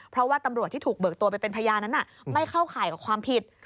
เพราะว่าตำรวจที่ถูกเบิกตัวไปเป็นพยานนั้นไม่เข้าข่ายกับความผิด